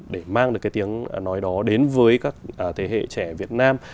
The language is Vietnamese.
để mang được cái tiếng nói đó đến với các thế hệ trẻ việt nam